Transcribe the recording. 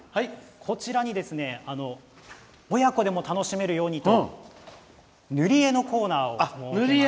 こちらに親子でも楽しめるようにと塗り絵のコーナーを設けました。